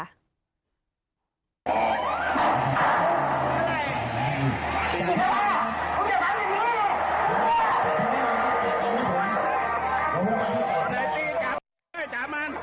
ที่สิบประมาณนี้